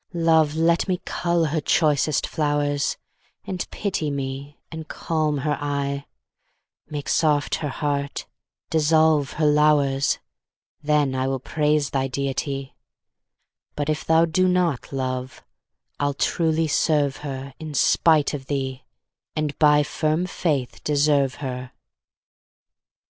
Love, let me cull her choicest flowers, And pity me, and calm her eye; Make soft her heart, dissolve her lowers, Then will I praise thy deity, But if thou do not, Love, I'll truly serve her In spite of thee, and by firm faith deserve her.